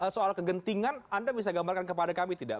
soal kegentingan anda bisa gambarkan kepada kami tidak